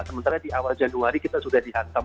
sementara di awal januari kita sudah dihantam